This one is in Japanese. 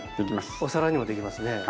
お皿にもできますね。